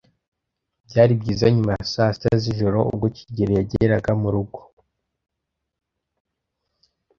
Byari byiza nyuma ya saa sita z'ijoro ubwo kigeli yageraga murugo.